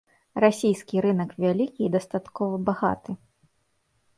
Расійскі рынак вялікі і дастаткова багаты.